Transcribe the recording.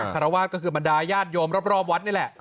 คารวาสก็คือบรรดาญาติโยมรอบวัดนี่แหละ